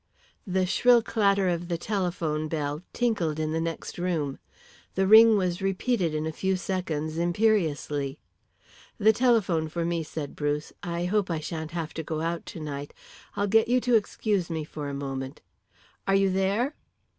The shrill clatter of the telephone bell tinkled in the next room. The ring was repeated in a few seconds imperiously. "The telephone for me," said Bruce. "I hope I shan't have to go out tonight. I'll get you to excuse me for a moment. ... Are you there?"